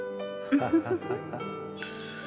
ハハハハ。